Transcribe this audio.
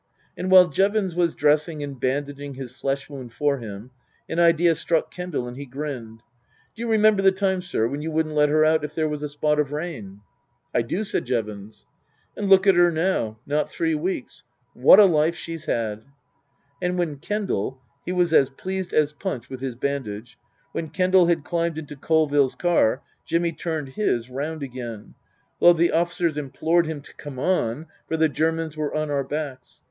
And while Jevons was dressing and bandaging his flesh wound for him an idea struck Kendal and he grinned. " D'you remember the time, sir, when you wouldn't let her out if there was a spot of rain ?" "I do," said Jevons. " And look at her now not three weeks. What a life she's 'ad !" And when Kendal (he was as pleased as Punch with his bandage), when Kendal had climbed into Colville's car, Jimmy turned his round again ; though the officers im plored him to come on, for the Germans were on our backs.